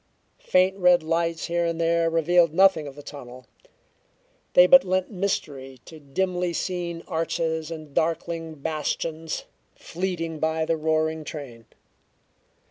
Faint red lights here and there revealed nothing of the tunnel; they but lent mystery to dimly seen arches and darkling bastions, fleeting by the roaring train.